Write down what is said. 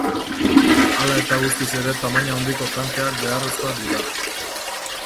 Hala eta gutiz ere tamaina handiko tankeak beharrezkoak dira.